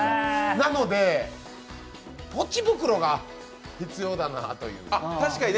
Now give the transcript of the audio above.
なので、ポチ袋が必要だなという。